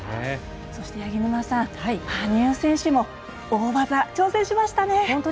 そして、八木沼さん羽生選手も大技挑戦しましたね。